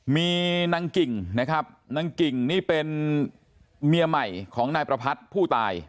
มีนางกิ่งนะครับนางกิ่งนี่เป็นเมียใหม่ของนายประพัทธ์ผู้ตาย